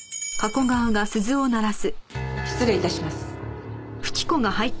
失礼致します。